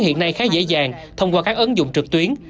hiện nay khá dễ dàng thông qua các ứng dụng trực tuyến